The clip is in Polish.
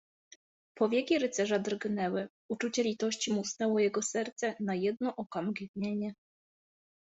Powieki rycerza drgnęły, uczucie litości musnęło jego serce na jedno okamgnienie.